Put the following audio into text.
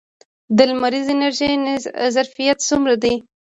د لمریزې انرژۍ ظرفیت څومره دی؟